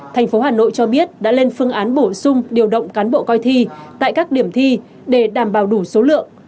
thành phố hà nội cho biết đã lên phương án bổ sung điều động cán bộ coi thi tại các điểm thi để đảm bảo đủ số lượng